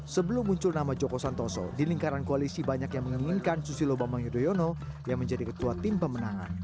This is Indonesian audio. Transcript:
sebelum muncul nama joko santoso di lingkaran koalisi banyak yang menginginkan susilo bambang yudhoyono yang menjadi ketua tim pemenangan